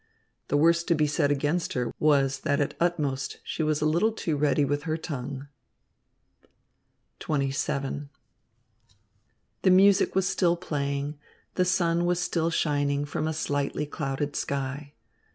The worst to be said against her was that at utmost she was a little too ready with her tongue. XXVII The music was still playing, the sun was still shining from a slightly clouded sky.